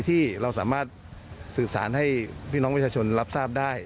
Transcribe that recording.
ที่เราสามารถสื่อสารให้พี่น้องประชาชนรับทราบได้